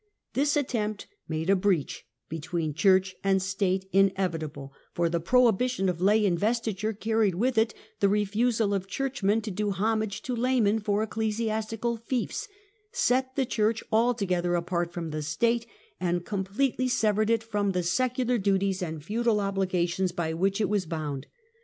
This attempt made a breach between Church and State inevitable, for the prohibition of lay investiture carried with it the refusal of churchmen to do homage to laymen for ecclesiastical fiefs, set the Church altogether apart from the State, and completely severed it from the secular duties and feudal obligations by which it was bound.